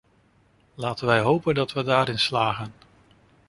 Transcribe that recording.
Laten wij hopen dat wij daarin slagen.